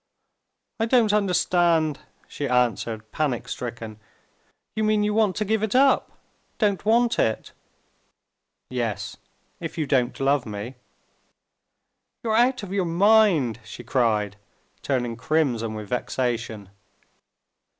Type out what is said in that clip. "I don't understand," she answered, panic stricken; "you mean you want to give it up ... don't want it?" "Yes, if you don't love me." "You're out of your mind!" she cried, turning crimson with vexation.